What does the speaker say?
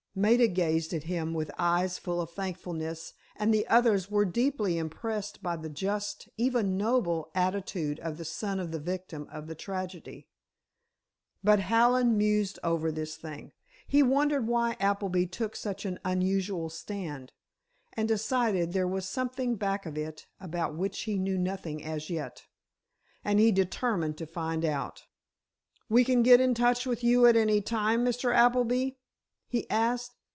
Maida gazed at him with eyes full of thankfulness, and the others were deeply impressed by the just, even noble, attitude of the son of the victim of the tragedy. But Hallen mused over this thing. He wondered why Appleby took such an unusual stand, and decided there was something back of it about which he knew nothing as yet. And he determined to find out. "We can get in touch with you at any time, Mr. Appleby?" he asked.